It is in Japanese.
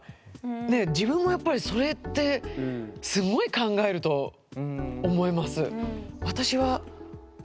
自分もやっぱりそれってすごい考えると思います。